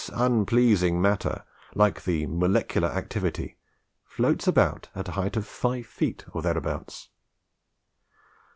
This unpleasing matter, like the 'molecular activity,' floats about at a height of five feet, or thereabouts.